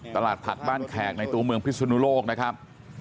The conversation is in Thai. ตลาดผักบ้านแขกในตัวเมืองพิศนุโลกนะครับ